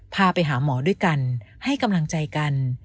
พาไปหาหมอด้วยกันให้กำลังใจกัน